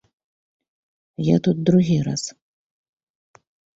Я тут другі раз.